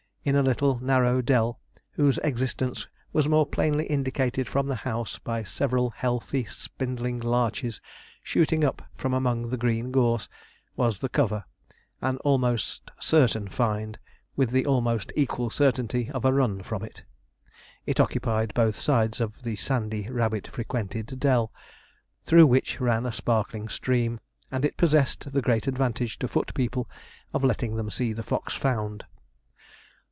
In a little narrow dell, whose existence was more plainly indicated from the house by several healthy spindling larches shooting up from among the green gorse, was the cover an almost certain find, with the almost equal certainty of a run from it. It occupied both sides of the sandy, rabbit frequented dell, through which ran a sparkling stream, and it possessed the great advantage to foot people of letting them see the fox found.